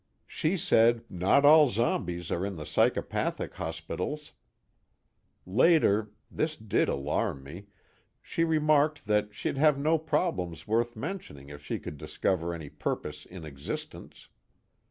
She said not all zombis are in the psychopathic hospitals. Later this did alarm me she remarked that she'd have no problems worth mentioning if she could discover any purpose in existence.